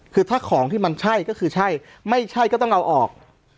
คือถ้าของที่มันใช่ก็คือใช่ไม่ใช่ก็ต้องเอาออก